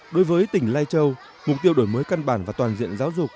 đối với tỉnh lai châu mục tiêu đổi mới căn bản và toàn diện giáo dục